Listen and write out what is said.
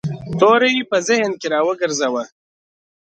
توری په ذهن کې را وګرځاوه.